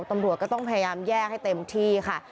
ตำรวจก็มีการแยกให้เต็มที่ค่ะ